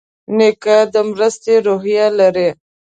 نیکه د مرستې روحیه لري.